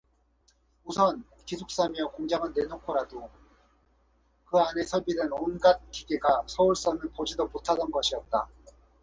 우선 기숙사며 공장은 내놓고라도 그 안에 설비된 온갖 기계가 서울서는 보지도 못하던 것이었다.